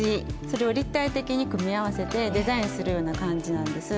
それを立体的に組み合わせてデザインするような感じなんです。